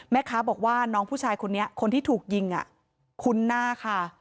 แม่ค้าบอกว่าน้องผู้ชายคนนี้คนที่ถูกยิงคุ้นหน้าค่ะ